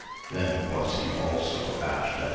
then was he also abashed at.